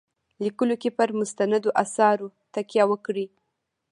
لیکلو کې پر مستندو آثارو تکیه وکړي.